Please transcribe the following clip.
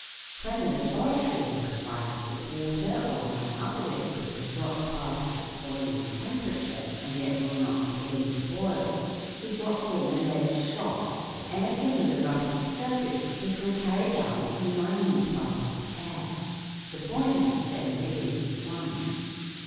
When the laboratory worker finds that water or some other liquid has got past its boiling tempera ture and yet will not begin to boil, he drops in a lead shot or anything with a roughened surface which will carry down a few minute bubbles of air ; the boiling then begins at once.